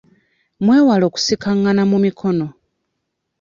Mwewale okusikangana mu mikono.